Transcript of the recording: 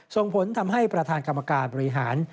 ส่งผลทำให้ประธานกรรมการบริหาร